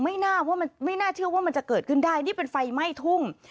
ว่ามันไม่น่าเชื่อว่ามันจะเกิดขึ้นได้นี่เป็นไฟไหม้ทุ่ง